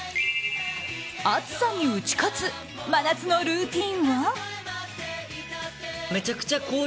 暑さに打ち勝つ真夏のルーティンは？